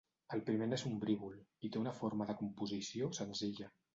El primer n'és ombrívol, i té una forma de composició senzilla.